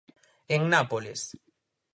En Nápoles.